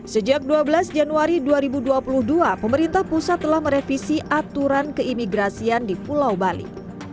sejak dua belas januari dua ribu dua puluh dua pemerintah pusat telah merevisi aturan keimigrasian di pulau bali